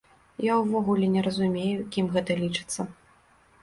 Я ўвогуле не разумею, кім гэта лічыцца.